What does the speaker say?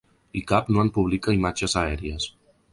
I cap no en publica imatges aèries.